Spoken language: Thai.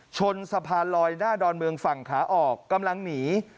ชนสะพานลอยหน้าดอนเมืองฝั่งขาออกกำลังหนี